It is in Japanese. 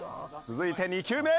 続いて２球目。